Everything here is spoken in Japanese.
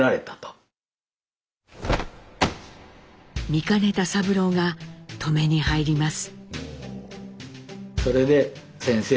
見かねた三郎が止めに入ります。